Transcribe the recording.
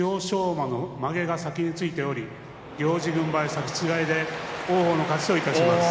馬のまげが先についており行司軍配差し違えで王鵬の勝ちといたします。